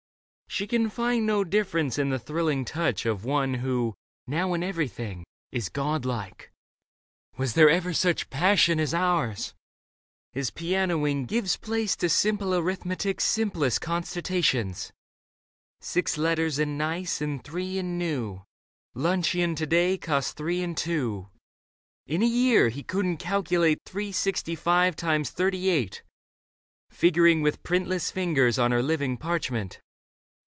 She can find No difference in the thrilling touch Of one who, now, in everything Is God like. " Was there ever such Passion as ours ?" His pianoing Gives place to simple arithmetic's Simplest constatations :— six Letters in Gneiss and three in Gnu : Luncheon to day cost three and two ; In a year — ^he couldn't calculate Three sixty five times thirty eight, Figuring with printless fingers on Her living parchment.